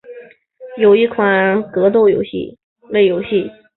是一款由卡普空公司制作和发行的格斗类游戏。